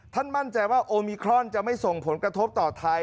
มั่นใจว่าโอมิครอนจะไม่ส่งผลกระทบต่อไทย